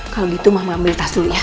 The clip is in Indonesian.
kalo gitu mama ambil tas dulu ya